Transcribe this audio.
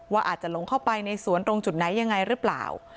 ว่าอาจจะหลงเข้าไปในสวนตรงจุดไหนยังไงหรือเปล่า